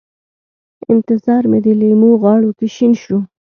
انتظار مې د لېمو غاړو کې شین شو